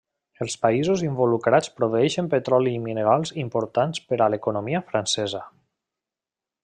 Els països involucrats proveeixen petroli i minerals importants per a l'economia francesa.